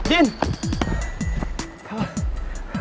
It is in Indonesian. kamu selesain draft kontrak itu sekarang